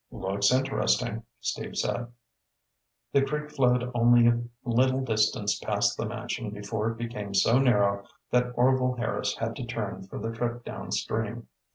"Looks interesting," Steve said. The creek flowed only a little distance past the mansion before it became so narrow that Orvil Harris had to turn for the trip downstream.